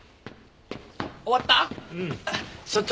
終わった？